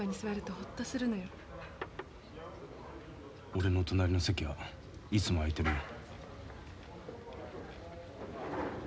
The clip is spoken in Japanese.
俺の隣の席はいつも空いてるよ。